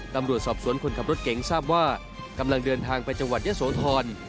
ตำรวจสอบสวนคนขับรถเก๋งทราบว่ากำลังเดินทางไปจังหวัดเยอะโสธร